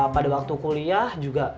pada waktu kuliah juga